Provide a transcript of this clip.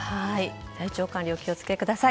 体調管理、お気を付けください。